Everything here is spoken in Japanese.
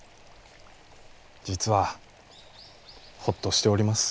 実はほっとしております。